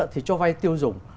thì cho vay tiêu dùng